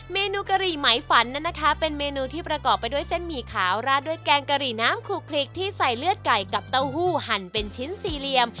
เมนูกะหรี่ไหมฝันนั้นนะคะเป็นเมนูที่ประกอบไปด้วยเส้นหมี่ขาวราดด้วยแกงกะหรี่น้ำขลุกคลิกที่ใส่เลือดไก่กับเต้าหู้หั่นเป็นชิ้นสี่เหลี่ยม